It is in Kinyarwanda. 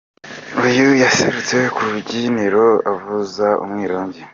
Uyu yaserutse ku rubyiniro avuza umwirongi.